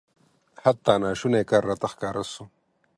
حتی ناشونی کار راته ښکاره سو.